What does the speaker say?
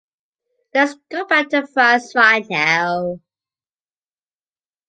Let us go back to France right now